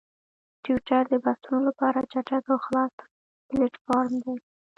ټویټر د بحثونو لپاره چټک او خلاص پلیټفارم دی.